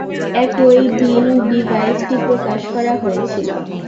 একই দিন ডিভাইসটি প্রকাশ করা হয়েছিল।